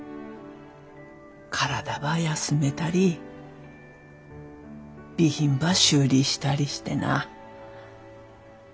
体ば休めたり備品ば修理したりしてな。